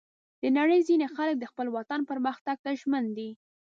د نړۍ ځینې خلک د خپل وطن پرمختګ ته ژمن دي.